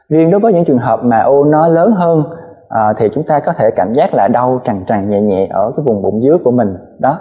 riêng đối với những trường hợp mà u nó lớn hơn thì chúng ta có thể cảm giác là đau tràn tràn nhẹ nhẹ ở cái vùng bụng dưới của mình